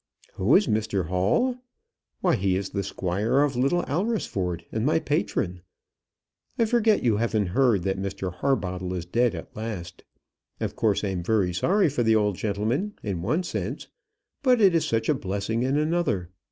"Who is Mr Hall? Why, he is the squire of Little Alresford, and my patron. I forget you haven't heard that Mr Harbottle is dead at last. Of course I am very sorry for the old gentleman in one sense; but it is such a blessing in another.